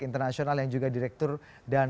internasional yang juga direktur dan